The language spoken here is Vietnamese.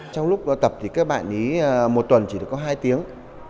trong lúc tập thì các bạn ý một tuần chỉ được có hai tiếng